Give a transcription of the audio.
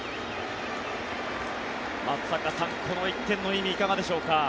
松坂さん、この１点の意味いかがでしょうか。